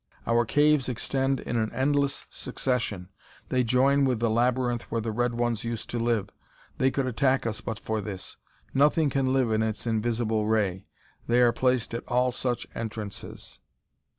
Our caves extend in an endless succession; they join with the labyrinth where the red ones used to live. They could attack us but for this. Nothing can live in its invisible ray; they are placed at all such entrances."